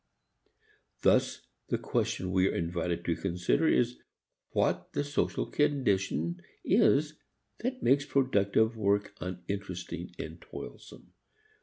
Thus the question we are invited to consider is what the social condition is which makes productive work uninteresting and toilsome.